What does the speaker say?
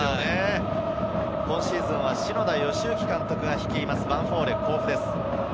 今シーズンは篠田善之監督が率います、ヴァンフォーレ甲府ですよ。